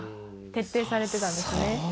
徹底されてたんですね。